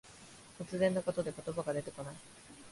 突然のことで言葉が出てこない。